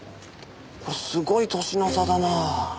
すごい歳の差だな。